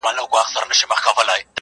تخت که هر څونه وي لوی نه تقسیمیږي!.